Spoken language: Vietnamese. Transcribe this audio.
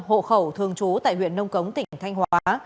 hộ khẩu thường trú tại huyện nông cống tỉnh thanh hóa